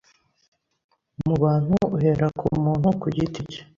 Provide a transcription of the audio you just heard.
mu bantu uhera ku muntu ku giti cye.